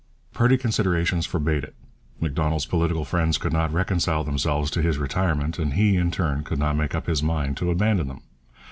Party considerations forbade it. Macdonald's political friends could not reconcile themselves to his retirement, and he, in turn, could not make up his mind to abandon them.